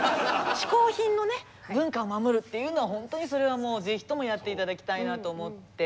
しこう品の文化を守るっていうのは本当にそれはもうぜひともやって頂きたいなと思って。